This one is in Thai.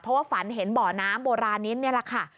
เพราะว่าฝันเห็นบ่อน้ำโบราณิตนี่แหละค่ะ